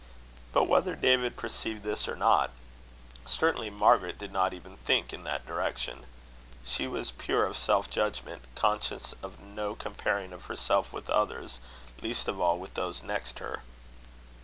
But whether David perceived this or not, certainly Margaret did not even think in that direction. She was pure of self judgment conscious of no comparing of herself with others, least of all with those next her.